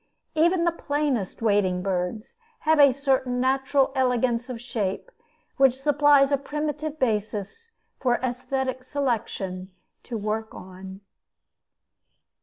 Even the plainest wading birds have a certain natural elegance of shape which supplies a primitive basis for aesthetic selection to work on.